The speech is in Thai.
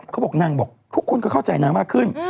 พวกนางบอกทุกคนเข้าใจนางขึ้น